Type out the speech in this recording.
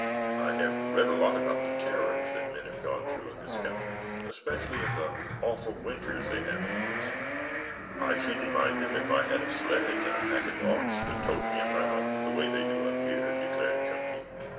I have read a lot about the terrors that men have gone through in this country, especially in the awful winters they have in Alaska." "I shouldn't mind them if I had a sledge and a pack of dogs to tote me around, the way they do up here," declared Chunky.